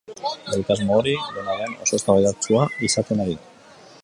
Egitasmo hori, dena den, oso eztabaidatsua izaten ari da.